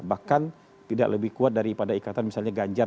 bahkan tidak lebih kuat daripada ikatan misalnya ganjar